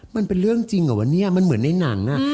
มันเป็นเรื่องจริงเหรอวะเนี่ยมันเหมือนในหนัง